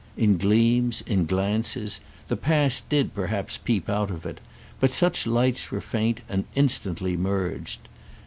In gleams, in glances, the past did perhaps peep out of it; but such lights were faint and instantly merged.